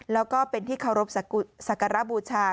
แล้วก็เป็นที่เคารพสักการะบูชา